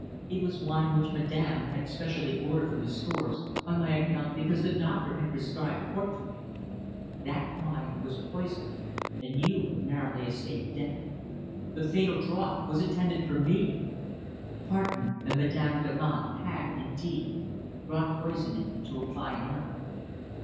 It was wine which Madame had specially ordered from the stores on my account because the doctor had prescribed port for me. That wine was poisoned, and you narrowly escaped death. The fatal draught was intended for me! Hartmann and Madame Damant had, indeed, brought poisoning to a fine art."